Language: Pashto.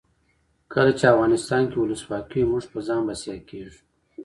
کله چې افغانستان کې ولسواکي وي موږ په ځان بسیا کیږو.